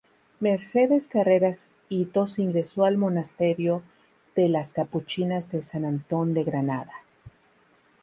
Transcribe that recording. Mercedes Carreras Hitos ingresó al monasterio de las Capuchinas de San Antón de Granada.